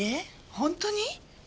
本当に？